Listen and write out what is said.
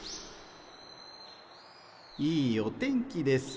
いいお天気です。